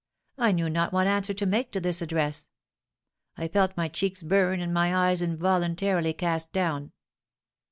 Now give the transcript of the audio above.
I knew not what answer to make to this address; I felt my cheeks burn and my eyes involuntarily cast down.